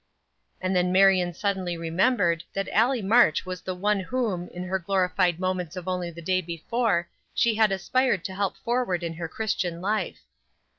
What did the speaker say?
And then Marion suddenly remembered that Allie March was the one whom, in her glorified moments of only the day before she had aspired to help forward in her Christian life.